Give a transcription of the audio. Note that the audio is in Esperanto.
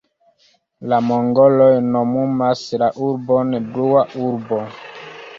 La mongoloj nomumas la urbon Blua urbo.